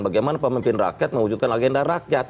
bagaimana pemimpin rakyat mewujudkan agenda rakyat